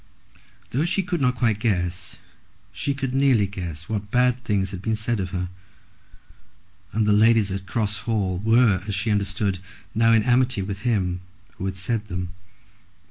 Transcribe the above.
Though she could not quite guess, she could nearly guess what bad things had been said of her; and the ladies at Cross Hall were, as she understood, now in amity with him who had said them.